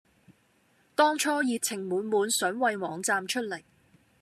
當初熱情滿滿想為網站出力